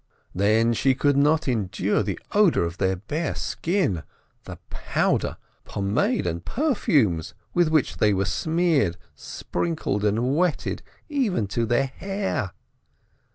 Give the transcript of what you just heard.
Then she could not endure the odor of their bare skin, the powder, pomade, and perfumes with which they were smeared, sprinkled, and wetted, even to their hair.